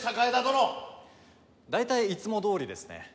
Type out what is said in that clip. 江田殿。大体いつもどおりですね。